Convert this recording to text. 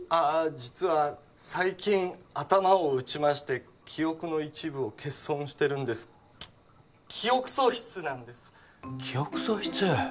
実は最近頭を打ちまして記憶の一部を欠損してるんですき記憶喪失なんです記憶喪失